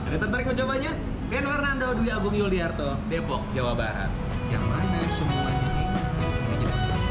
dan tentara yang mencobanya ren fernando dwi agung yulierto depok jawa barat